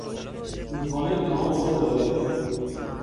رودخانهای که تمام سال جاری است